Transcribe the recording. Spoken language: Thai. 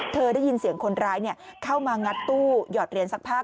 ได้ยินเสียงคนร้ายเข้ามางัดตู้หยอดเหรียญซักผ้า